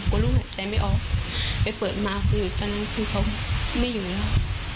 ลูกหายใจไม่ออกไปเปิดมาคือตอนนั้นคือเขาไม่อยู่แล้ว